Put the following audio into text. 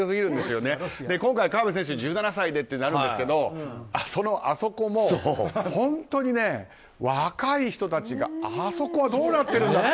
今回、河辺選手１７歳でとなるんですがそのあそこも本当に若い人たちがあそこは、どうなってるんだと。